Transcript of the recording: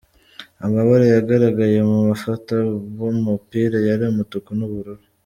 Amabara yagaragaye mu bafata b'umupira yari umutuku nu bururu.